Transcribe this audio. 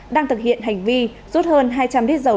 đang thực hiện hành vi rút hơn hai trăm linh lít dầu